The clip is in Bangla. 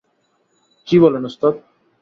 কী বলেন ওস্তাদ!